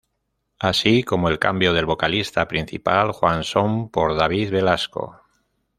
Así como el cambio del vocalista principal Juan Son por David Velasco.